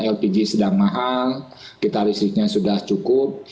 lpg sedang mahal kita listriknya sudah cukup